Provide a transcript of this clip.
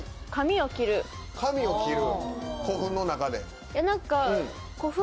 かみを切る古墳の中で。